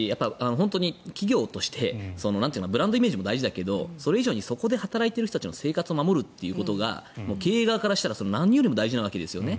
本当に企業としてブランドイメージも大事だけどそれ以上にそこで働いている人たちの生活を守ることが経営側からしたら何よりも大事なわけですよね。